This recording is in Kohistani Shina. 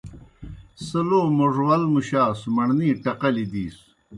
سہ لو موڙول مُشاسوْ، مڑنے ٹقلیْ دِیسوْ۔